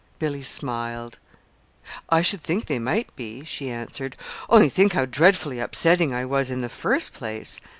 Billy smiled. "I should think they might be," she answered. "Only think how dreadfully upsetting I was in the first place!"